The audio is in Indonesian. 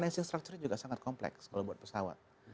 nation structure juga sangat kompleks kalau buat pesawat